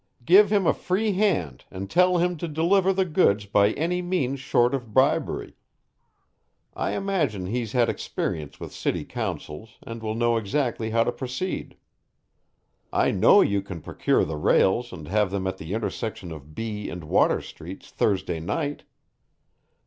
Give him a free hand and tell him to deliver the goods by any means short of bribery. I imagine he's had experience with city councils and will know exactly how to proceed. I KNOW you can procure the rails and have them at the intersection of B and Water streets Thursday night.